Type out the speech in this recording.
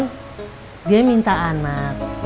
si ibu puput abis keguguran dia minta anak